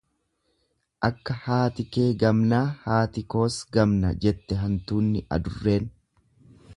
Akka haati kee gamnaa haati koos gamna, jette hantuunni adurreen.